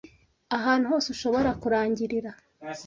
Ahantu hose ushobora kurangirira,